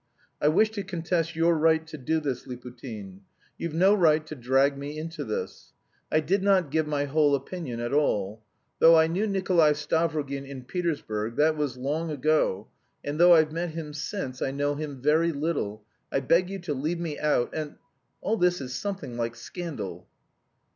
"I wish to contest your right to do this, Liputin. You've no right to drag me into this. I did not give my whole opinion at all. Though I knew Nikolay Stavrogin in Petersburg that was long ago, and though I've met him since I know him very little. I beg you to leave me out and... All this is something like scandal."